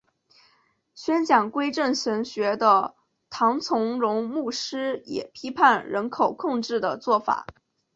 宣讲归正神学的唐崇荣牧师也批判人口控制的做法。